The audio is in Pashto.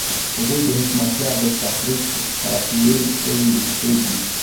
هغوی د حکمتیار د تخرګ خرېیل شوي وېښته دي.